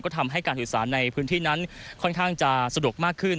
ทำให้การสื่อสารในพื้นที่นั้นค่อนข้างจะสะดวกมากขึ้น